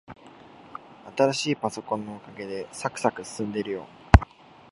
新しいパソコンのおかげで、さくさく進んでるよ。